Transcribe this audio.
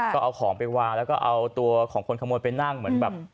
ก็เอาของไปวางแล้วก็เอาตัวของคนขโมยไปนั่งเหมือนแบบ